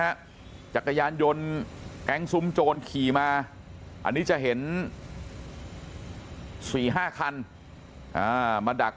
จักรยานยนต์แก๊งซุ้มโจรขี่มาอันนี้จะเห็นสี่ห้าคันอ่ามาดัก